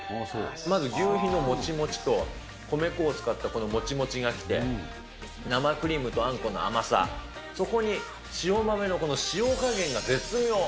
まず求肥のもちもちと、米粉を使ったもちもちがきて、生クリームとあんこの甘さ、そこに塩豆のこの塩加減が絶妙。